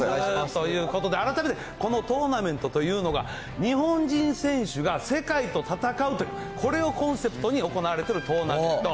ということで、改めて、このトーナメントというのが、日本人選手が世界と戦うという、これをコンセプトに行われてるトーナメント。